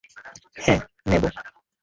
হ্যাঁ, নেবো।